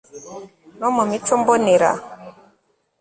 no mu mico mbonera